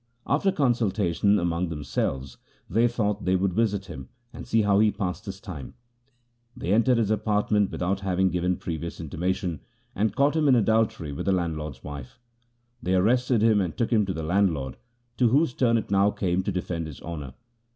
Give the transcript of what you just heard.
After consultation among themselves they thought they would visit him, and see how he passed his time. They entered his apartment with out having given previous intimation, and caught him in adultery with the landlord's wife. They arrested him and took him to the landlord, to whose turn it now came to defend his honour.